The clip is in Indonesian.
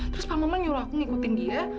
terus pam paman nyuruh aku ngikutin dia